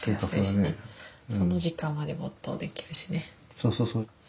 そうそうそう。